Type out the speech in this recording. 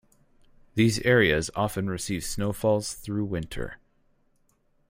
These areas often receive snowfalls through winter.